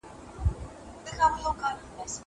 لوښي د مور له خوا وچول کيږي!!